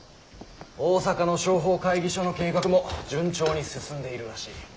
大阪の商法会議所の計画も順調に進んでいるらしい。